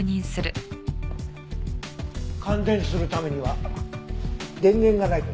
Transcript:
感電するためには電源がないと駄目だよね。